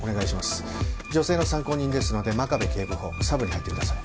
女性の参考人ですので真壁警部補サブに入ってください。